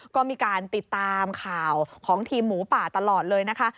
ก็มีการติดตามข่าวของทีมหมูป่าตลอดเลยนะคะ